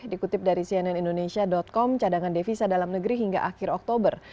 dikutip dari cnn indonesia com cadangan devisa dalam negeri hingga akhir oktober